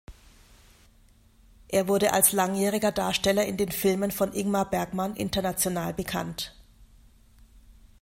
Er wurde als langjähriger Darsteller in den Filmen von Ingmar Bergman international bekannt.